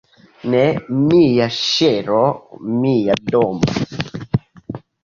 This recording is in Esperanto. "Ne! Mia ŝelo! Mia domo!"